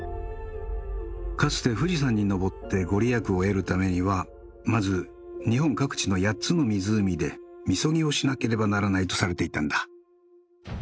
かつて富士山に登って御利益を得るためにはまず日本各地の８つの湖でみそぎをしなければならないとされていたんだ。